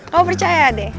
kamu percaya deh